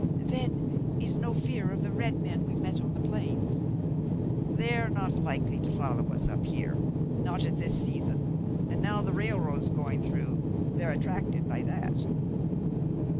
"Then is no fear of the red men we met on the plains?" "They're not likely to follow us up here not at this season, and now the railroad's going through, they're attracted by that."